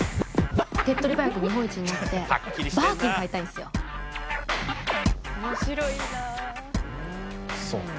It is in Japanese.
手っ取り早く日本一になって、バーキン買いたいんすよ。